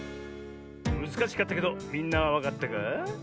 むずかしかったけどみんなはわかったかあ？